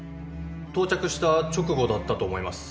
到着した直後だったと思います。